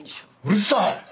うるさい！